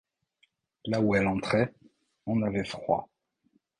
Là où elle entrait, on avait froid.